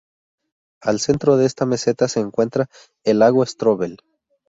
Al centro de esta meseta se encuentra el lago Strobel.